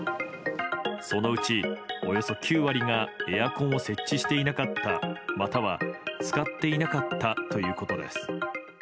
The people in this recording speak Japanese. そのうち、およそ９割がエアコンを設置していなかったまたは使っていなかったということです。